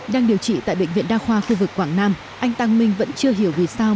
đang điều trị tại bệnh viện đa khoa khu vực quảng nam anh tăng minh vẫn chưa hiểu vì sao